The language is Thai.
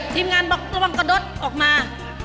ทีมงานบอกระวังกระโดดออกมา